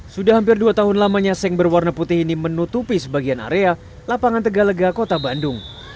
sudah hampir dua tahun lamanya seng berwarna putih ini menutupi sebagian area lapangan tegalega kota bandung